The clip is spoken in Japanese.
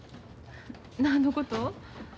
何のこと？